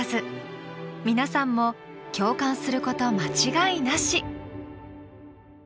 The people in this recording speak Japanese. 皆さんも共感すること間違いなし！